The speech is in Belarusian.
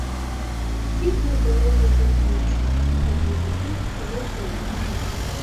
Ціха было гэтаю ноччу, каб не жукі, але цёмна.